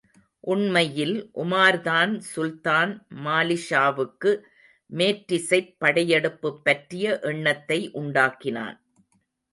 உண்மையில் உமார்தான் சுல்தான் மாலிக்ஷாவுக்கு மேற்றிசைப் படையெடுப்புப் பற்றிய எண்ணத்தை உண்டாக்கினான்.